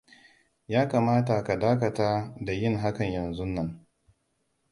Ya kamata ka dakata da yin hakan yanzun nan.